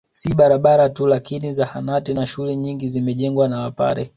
Si barabara tu lakini zahanati na shule nyingi zimejengwa na wapare